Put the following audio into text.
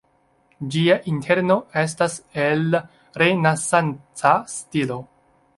Ĝia interno estas el renesanca stilo.